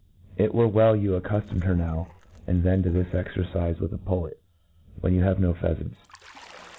It were well you accuftomed her now and then to this excrcife with a pullet, when you have no pheafants.